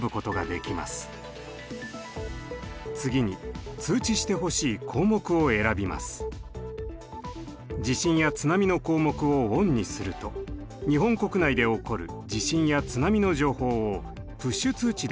地震や津波の項目をＯＮにすると日本国内で起こる地震や津波の情報をプッシュ通知で受け取ることができます。